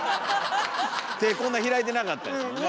手こんな開いてなかったですもんね。